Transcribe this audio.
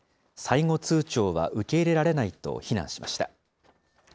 最後通ちょうは受け入れられないと非難しました。